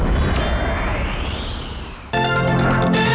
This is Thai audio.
โอ้โฮ